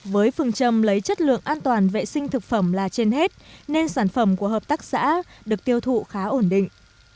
với phương châm lấy chất lượng an toàn vệ sinh thực phẩm là trên hết nên sản phẩm của hợp tác xã được tiêu thụ khá ổn định